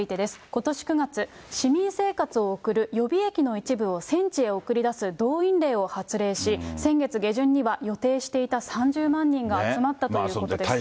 ことし９月、市民生活を送る予備役の一部を戦地へ送り出す動員令を発令し、先月下旬には予定していた３０万人が集まったということです。